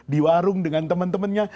di warung dengan temen temennya